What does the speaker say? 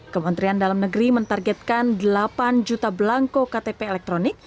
kementerian dalam negeri mentargetkan delapan juta belangko ktp elektronik